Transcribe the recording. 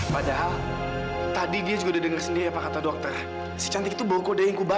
pertamanya kalau kita semakin cinta